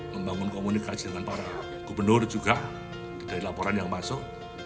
membangun komunikasi dengan para gubernur juga dari laporan yang masuk